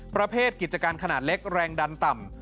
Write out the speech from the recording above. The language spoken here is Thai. ประเภทกิจการขนาดเล็กแรงดันต่ำ